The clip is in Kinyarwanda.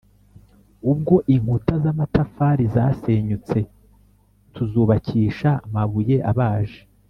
Ubwo inkuta z’amatafari zasenyutse, tuzubakisha amabuye abaje;